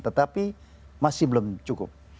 tetapi masih belum cukup